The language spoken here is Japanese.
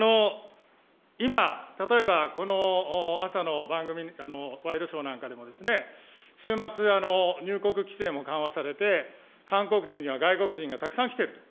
今、例えば、この朝の番組、ワイドショーなんかでもですね、週末、入国規制も緩和されて、観光地には外国人がたくさん来ていると。